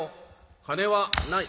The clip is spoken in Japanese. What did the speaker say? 「金はない」。